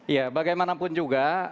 ya bagaimanapun juga